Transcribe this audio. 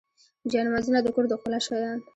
جانمازونه د کور د ښکلا شیان.